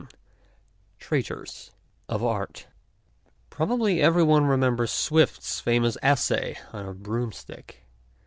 X TRAITORS OF ART PROBABLY every one remembers Swift's famous essay on a broomstick.